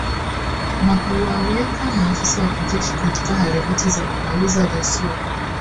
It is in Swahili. Na kuwaweka maafisa wa kijeshi katika harakati za kumaliza ghasia.